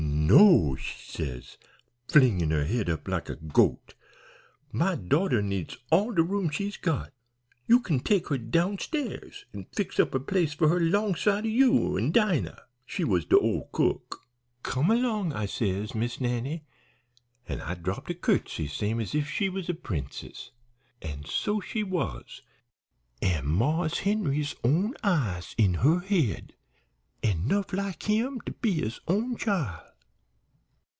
"'No,' she says, flingin' up her head like a goat; 'my daughter needs all de room she's got. You kin take her downstairs an' fix up a place for her longside o' you an' Dinah.' She was de old cook. "'Come long,' I says, 'Miss Nannie,' an' I dropped a curtsey same's if she was a princess. An' so she was, an' Marse Henry's own eyes in her head, an' 'nough like him to be his own chile.